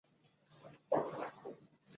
侧台塔小斜方截半二十面体欠二侧台塔。